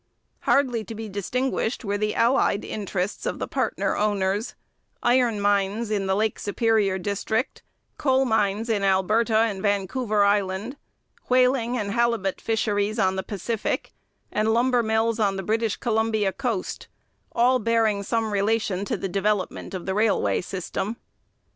Hardly to be distinguished were the allied interests of the partner owners iron mines in the Lake Superior district, coal mines in Alberta and Vancouver Island, whaling and halibut fisheries on the Pacific, and lumber mills on the British Columbia coast all bearing some relation to the development of the railway system.